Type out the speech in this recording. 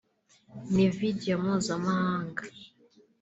ni Video mpuzamahanga”